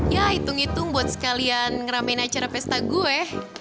ya hitung hitung buat sekalian ngeramain acara pesta gue